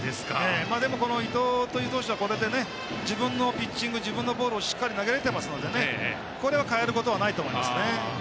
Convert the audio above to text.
でも、伊藤投手はこれで自分のピッチング自分のボールをしっかり投げれてますのでこれを変えることはないと思います。